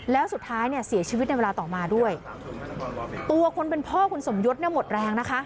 แล้วสุดท้ายเนี่ยเสียชีวิตในเวลาต่อมาด้วยตัวคนเป็นพ่อคุณสมยศเนี่ยหมดแรงนะคะ